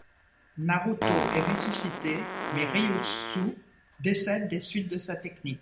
Naruto est ressuscité, mais Ryûztsu décède des suites de sa technique.